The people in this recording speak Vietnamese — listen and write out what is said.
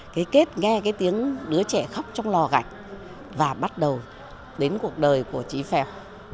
cái kết nghe cái tiếng đứa trẻ khóc trong lò gạch và bắt đầu đến cuộc đời của trí phèo